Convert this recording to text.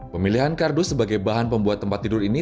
pemilihan kardus sebagai bahan pembuat tempat tidur ini